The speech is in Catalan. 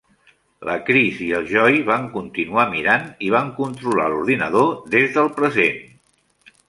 La Chris i el Joy van continuar mirant i van controlar l'ordinador des del present.